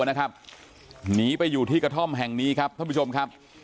หนีไปอยู่ที่กระท่อมแห่งนี้ครับท่านผู้ชมครับ